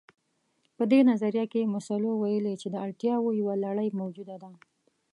په دې نظريه کې مسلو ويلي چې د اړتياوو يوه لړۍ موجوده ده.